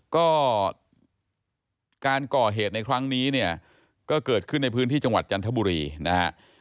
ก็การก่อเหตุในครั้งนี้เนี่ยก็เกิดขึ้นในพื้นที่จังหวัดจันทบุรีนะฮะ